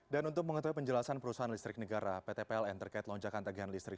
dan untuk mengetahui penjelasan perusahaan listrik negara pt pln terkait lonjakan tagihan listrik